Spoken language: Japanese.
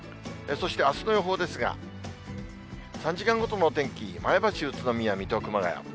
そしてあすの予報ですが、３時間ごとのお天気、前橋、宇都宮、水戸、熊谷。